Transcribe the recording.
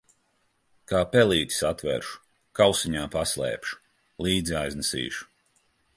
Kā pelīti satveršu, kausiņā paslēpšu, līdzi aiznesīšu.